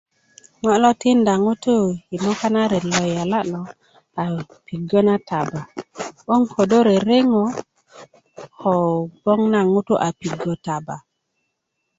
ŋo' lo tinda ŋutuu yi moka na ret lo yola' lo a piggö na taba 'boŋ ködö rereŋo ko gboŋ naŋ ŋutu' a piggö taba